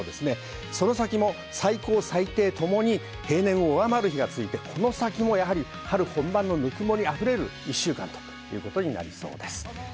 その先も最高最低ともに平年を上回る日が続いて、この先も春本番のぬくもり溢れる一週間になりそうです。